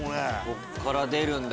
こっから出るんだ